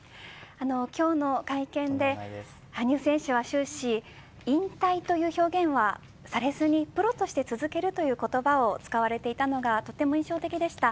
今日の会見で、羽生選手は終始引退という表現はされずにプロとして続けるという言葉を使われていたのがとても印象的でした。